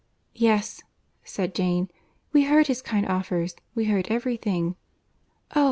"Yes," said Jane, "we heard his kind offers, we heard every thing." "Oh!